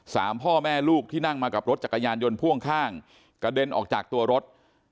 พ่อแม่ลูกที่นั่งมากับรถจักรยานยนต์พ่วงข้างกระเด็นออกจากตัวรถ